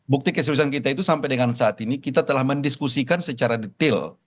bukti keseluruhan kita itu sampai dengan saat ini kita telah mendiskusikan secara detail